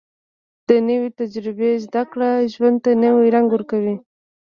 د نوې تجربې زده کړه ژوند ته نوې رنګ ورکوي